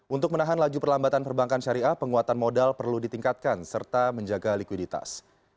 untuk menahan laju perlambatan perbankan syariah penguatan modal perlu ditingkatkan serta menjaga likuiditas